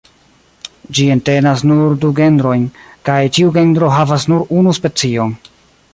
Ĝi entenas nur du genrojn, kaj ĉiu genro havas nur unu specion.